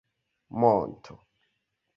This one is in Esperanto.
monto